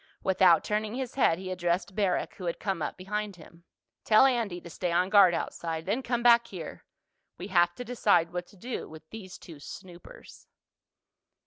Without turning his head he addressed Barrack, who had come up behind him. "Tell Andy to stay on guard outside. Then come back here. We have to decide what to do with these two snoopers."